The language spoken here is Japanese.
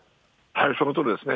そのとおりですね。